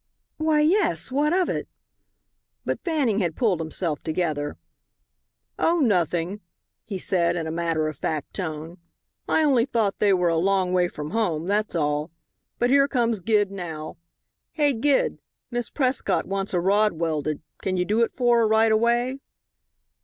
"Why, yes. What of it?" But Fanning had pulled himself together. "Oh, nothing," he said, in a matter of fact tone. "I only thought they were a long way from home, that's all. But here comes Gid now. Hey, Gid! Miss Prescott wants a rod welded. Can you do it for her right away?"